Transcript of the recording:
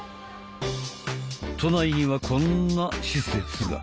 都内にはこんな施設が。